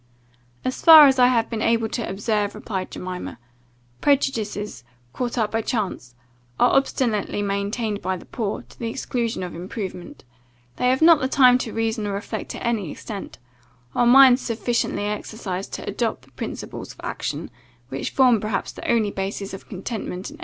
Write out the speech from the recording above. "As far as I have been able to observe," replied Jemima, "prejudices, caught up by chance, are obstinately maintained by the poor, to the exclusion of improvement; they have not time to reason or reflect to any extent, or minds sufficiently exercised to adopt the principles of action, which form perhaps the only basis of contentment in every station."